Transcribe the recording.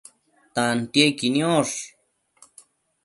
tantiequi niosh